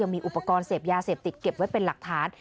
มีอุปกรณ์เสพยาเสพติดเก็บไว้เป็นหลักฐาน